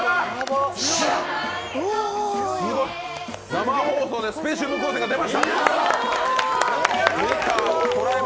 生放送でスペシウム光線が出ました。